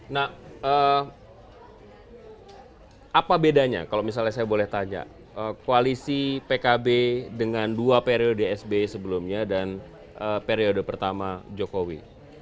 nah apa bedanya kalau misalnya saya boleh tanya koalisi pkb dengan dua periode sbi sebelumnya dan periode pertama jokowi